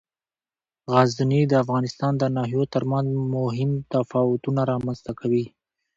غزني د افغانستان د ناحیو ترمنځ مهم تفاوتونه رامنځ ته کوي.